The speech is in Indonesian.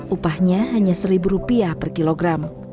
upahnya hanya seribu rupiah per kilogram